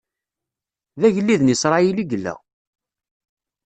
D agellid n Isṛayil i yella!